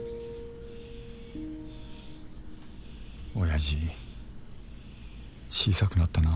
親父小さくなったな。